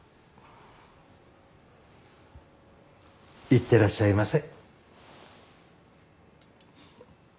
いってらっしゃいませ。